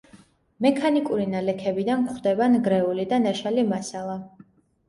მექანიკური ნალექებიდან გვხვდება ნგრეული და ნაშალი მასალა.